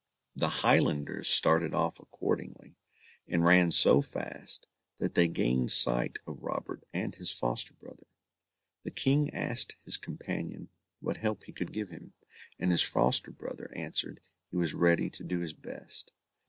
The Highlanders started off accordingly, and ran so fast, that they gained sight of Robert and his foster brother. The King asked his companion what help he could give him, and his foster brother answered he was ready to do his best.